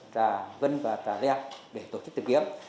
trà vân và trà reng để tổ chức tìm kiếm